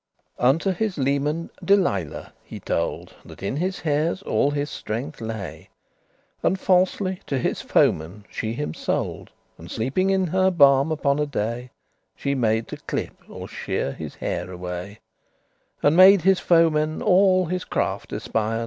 Unto his leman* Dalila he told, *mistress That in his haires all his strengthe lay; And falsely to his foemen she him sold, And sleeping in her barme* upon a day *lap She made to clip or shear his hair away, And made his foemen all his craft espien.